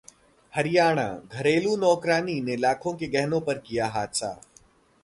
हरियाणाः घरेलू नौकरानी ने लाखों के गहनों पर किया हाथ साफ